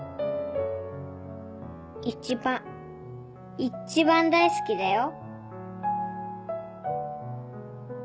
一番一番大好きだよ。